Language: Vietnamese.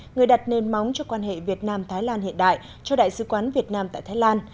người đặt nền móng cho quan hệ việt nam thái lan hiện đại cho đại sứ quán việt nam tại thái lan